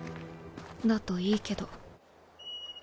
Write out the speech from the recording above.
だといいけど。